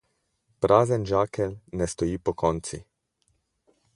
Prazen žakelj ne stoji pokonci.